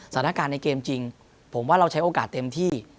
สถานการณ์ในเกมจริงผมว่าเราใช้โอกาสเต็มที่